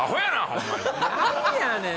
ホンマに何やねん！